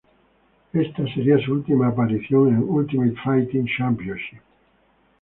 Esta sería su última aparición en Ultimate Fighting Championship.